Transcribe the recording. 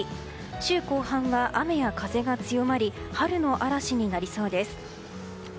週後半は雨や風が強まり春の嵐になりそうです。